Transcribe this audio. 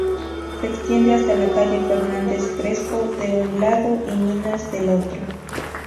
Se extiende hasta la calle Fernández Crespo, de un lado, y Minas, del otro.